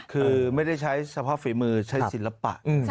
คือไม่ได้ใช้สภาพฝีมือใช้ศิลปะ